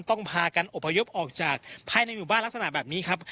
พากันอบพยพออกจากภายในหมู่บ้านลักษณะแบบนี้ครับ